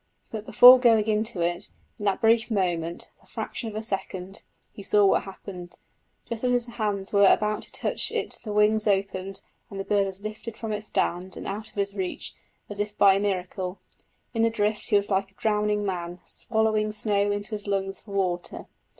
But before going into it, in that brief moment, the fraction of a second, he saw what happened; just as his hands were about to touch it the wings opened and the bird was lifted from its stand and out of his reach as if by a miracle. In the drift he was like a drowning man, swallowing snow into his lungs for water.